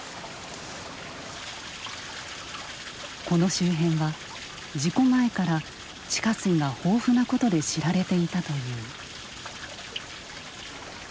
この周辺は事故前から地下水が豊富なことで知られていたという。